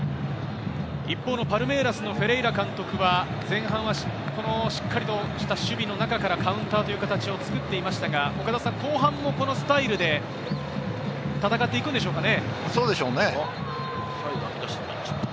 一方のパルメイラスのフェレイラ監督は前半はしっかりとした守備の中からカウンターという形を作っていましたが、後半もこのスタイルでそうでしょうね。